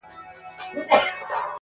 o خپلي خبري خو نو نه پرې کوی.